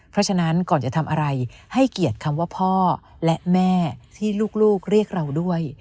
เพราะฉะนั้นก่อนจะทำอะไรให้เกียรติคำว่าพ่อและแม่ที่ลูกเรียกเราด้วย